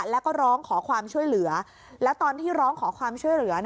แล้วก็ร้องขอความช่วยเหลือแล้วตอนที่ร้องขอความช่วยเหลือ